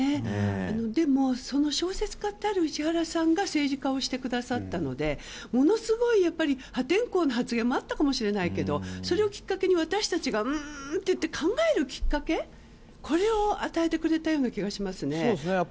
でも、その小説家である石原さんが政治家をしてくださったのでものすごい破天荒な発言もあったかもしれないけどそれをきっかけに私たちがうーんと言って考えるきっかけを与えてくれたような気がします。